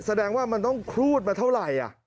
แสดงว่ามันต้องครูดมาเท่าไหร่